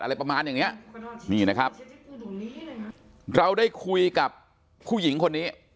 อะไรประมาณอย่างเนี้ยนี่นะครับเราได้คุยกับผู้หญิงคนนี้